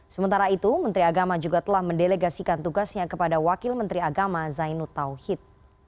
sementara itu menteri agama juga telah mendelegasikan tugasnya kepada wakil menteri agama zainud tauhid